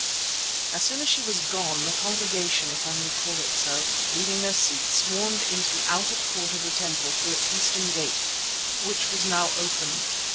As soon as she was gone the congregation, if I may call it so, leaving their seats, swarmed down into the outer court of the temple through its eastern gate, which was now opened.